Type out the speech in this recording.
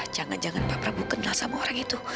jangan jangan pak prabu kenal sama orang ini